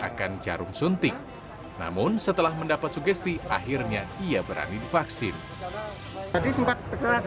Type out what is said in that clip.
akan jarum suntik namun setelah mendapat sugesti akhirnya ia berani divaksin tadi sempat